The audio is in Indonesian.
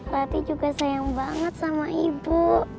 latih juga sayang banget sama ibu